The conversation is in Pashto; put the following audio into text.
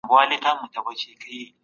تعلیمي ټکنالوژي څنګه زده کړه اسانه کوي؟